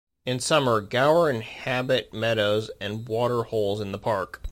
In summer gaur inhabit meadows and water holes in the park.